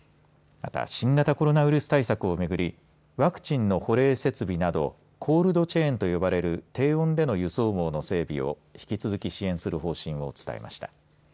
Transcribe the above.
また新型コロナウイルス対策をめぐりワクチンの保冷設備などコールドチェーンと呼ばれる低温での輸送網の整備を引き続き支援する方針を伝えました。